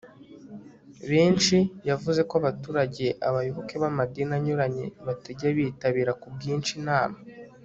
benshi. yavuze ko abaturage, abayoboke b'amadini anyuranye batajya bitabira ku bwinshi inama